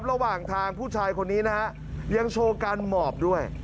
ยังไม่พอระหว่างทางผู้ชายคนนี้ยังโชว์การหมอบด้วย